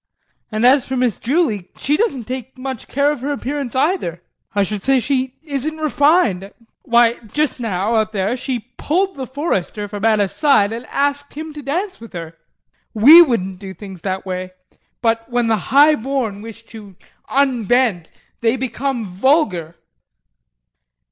And as for Miss Julie, she doesn't take much care of her appearance either. I should say she isn't refined. Why just now out there she pulled the forester from Anna's side and asked him to dance with her. We wouldn't do things that way. But when the highborn wish to unbend they become vulgar.